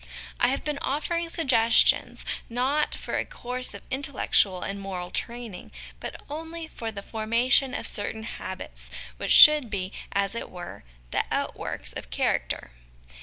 I have been offering suggestions, not for a course of intellectual and moral training, but only for the formation of certain habits which should be, as it were, the outworks of character.